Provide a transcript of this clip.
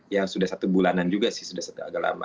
yang sudah satu bulanan juga sih sudah agak lama